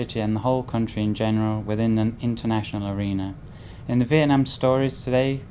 trong tiểu mục chuyện việt nam ngày hôm nay chúng ta hãy cùng lắng nghe những chia sẻ của ủy viên trung ương đảng